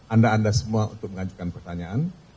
anda anda semua untuk mengajukan pertanyaan